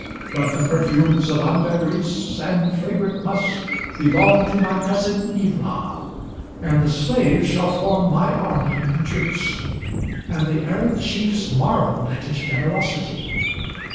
But the perfumes of ambergris, and fragrant musk, belong to my cousin Ibla; and the slaves shall form my army and troops." And the Arab chiefs marveled at his generosity....